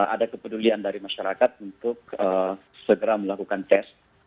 ada kepedulian dari masyarakat untuk segera melakukan tes